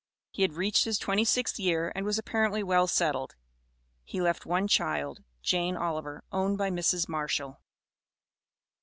He had reached his twenty sixth year, and was apparently well settled. He left one child, Jane Oliver, owned by Mrs. Marshall.